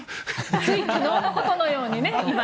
つい昨日のことのように。